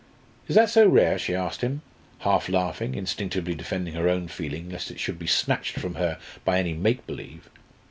"Is that so rare?" she asked him, half laughing instinctively defending her own feeling lest it should be snatched from her by any make believe.